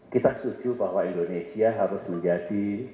kita setuju bahwa indonesia harus menjadi